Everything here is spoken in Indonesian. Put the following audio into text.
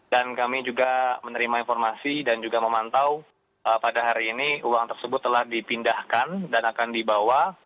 dan kami juga menerima informasi dan juga memantau pada hari ini uang tersebut telah dipindahkan dan akan dibawa